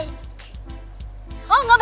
iya terima kasih